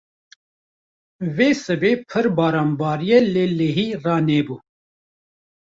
Vê sibê pir baran bariya lê lehî ranebû.